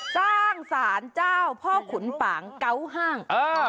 สร้างสารเจ้าพ่อขุนป่างเกาห้าง